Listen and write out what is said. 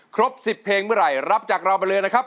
ครบ๑๐เพลงเมื่อไหร่รับจากเราไปเลยนะครับ